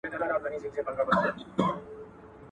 موضوع باید په ساده او هنري ژبه وړاندې سي.